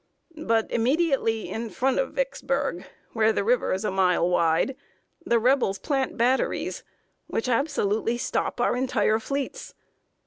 But immediately in front of Vicksburg, where the river is a mile wide, the Rebels plant batteries, which absolutely stop our entire fleets.